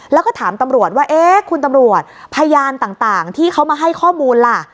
แล้วก็ถามตำรวจว่าเอ๊ะคุณตำรวจพยานต่างที่เขามาให้ข้อมูลล่ะ